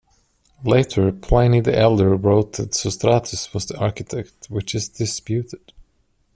Later Pliny the Elder wrote that Sostratus was the architect, which is disputed.